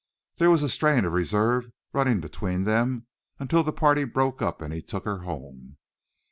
There was a strain of reserve running between them until the party broke up and he took her home.